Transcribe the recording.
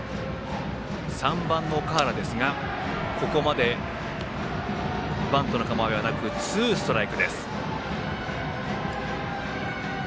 ３番の岳原ですがここまでバントの構えはなくツーストライクです。